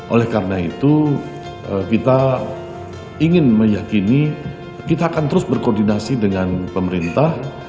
oleh karena itu kita ingin meyakini kita akan terus berkoordinasi dengan pemerintah